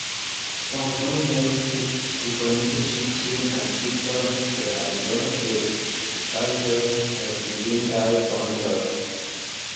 Bonvolu helpi plibonigi ĉi tiun artikolon per aldono de citaĵoj al fidindaj fontoj.